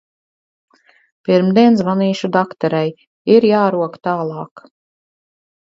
Pirmdien zvanīšu dakterei, ir jārok tālāk.